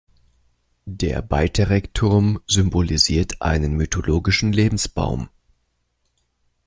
Der Bajterek-Turm symbolisiert einen mythologischen Lebensbaum.